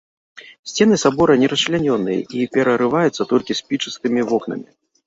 Сцены сабора не расчлянёныя і перарываюцца толькі спічастымі вокнамі.